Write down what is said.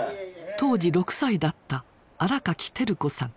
当時６歳だった新垣照子さん。